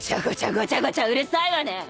ごちゃごちゃうるさいわね。